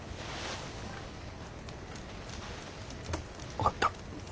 分かった。